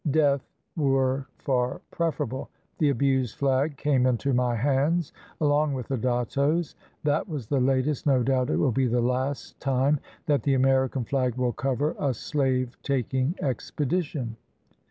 Death were far preferable. The abused flag came into my hands along with the dattos. That was the latest, no doubt it will be the last, time that the American flag will cover a slave taking expedition.